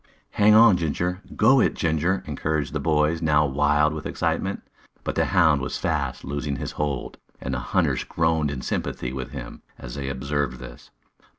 "Hang on, Ginger! Go it, Ginger!" encouraged the boys, now wild with excitement. But the hound was fast losing his hold, and the hunters groaned in sympathy with him as they observed this.